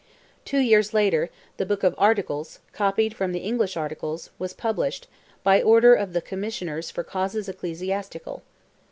Two years later, The Book of Articles, copied from the English Articles, was published, by order of "the Commissioners for Causes Ecclesiastical."